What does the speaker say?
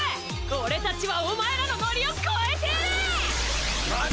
俺たちはお前らのノリを超えてやる！！